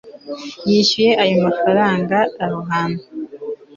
yishyuye amafaranga aho hantu